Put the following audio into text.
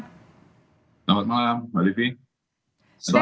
selamat malam mbak livi